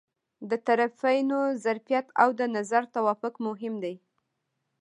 د طرفینو ظرفیت او د نظر توافق مهم دي.